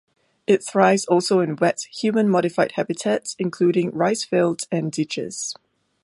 It thrives also in wet human-modified habitats, including rice fields and ditches.